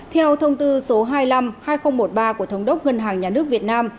theo thông tư số hai mươi năm hai nghìn một mươi ba của thống đốc ngân hàng nhà nước việt nam